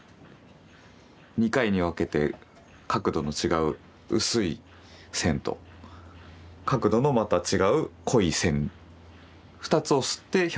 ２回に分けて角度の違う薄い線と角度のまた違う濃い線２つを摺って表現するってことですね。